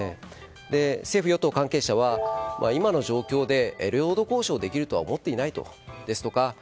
政府・与党関係者は今の状況で領土交渉できるとは思っていないですとか